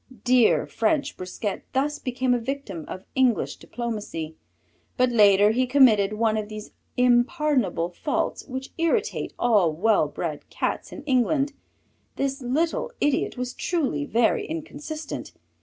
Dear French Brisquet thus became a victim of English diplomacy, but later he committed one of these impardonable faults which irritate all well bred Cats in England. This little idiot was truly very inconsistent.